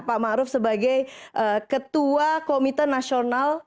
pak ma'ruf sebagai ketua komite nasional